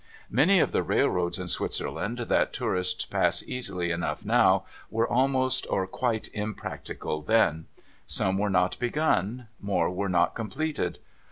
Many of the railroads in Switzerland that tourists pass easily enough now, were almost or quite impracticable then. Some were not begun; more were not completed.